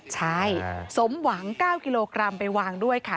ใช่สมหวัง๙กิโลกรัมไปวางด้วยค่ะ